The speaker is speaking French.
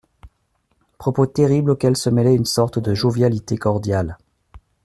Propos terribles auxquels se mêlait une sorte de jovialité cordiale.